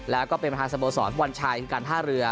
แล้วก็เป็นประธานสโมสรฟุตบอลชายคือการท่าเรือ